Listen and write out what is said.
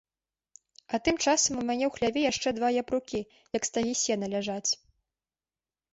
А тым часам у мяне ў хляве яшчэ два япрукі, як стагі сена, ляжаць.